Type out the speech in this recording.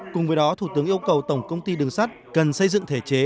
cùng với đó thủ tướng yêu cầu tổng công ty đường sắt cần xây dựng thể chế